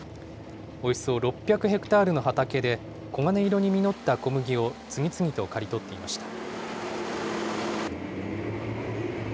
およそ６００ヘクタールの畑で、黄金色に実った小麦を次々と刈り取っていました。